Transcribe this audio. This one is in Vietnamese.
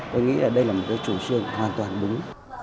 tôi nghĩ là đây là một cái chủ trương hoàn toàn đúng